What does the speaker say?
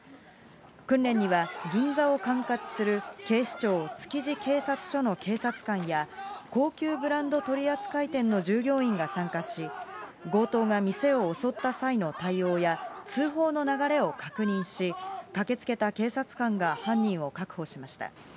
訓練には銀座を管轄する警視庁築地警察署の警察官や、高級ブランド取り扱い店の従業員が参加し、強盗が店を襲った際の対応や、通報の流れを確認し、駆けつけた警察官が犯人を確保しました。